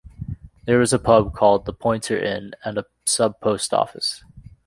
There is a pub called "The Pointer Inn" and a sub-post office.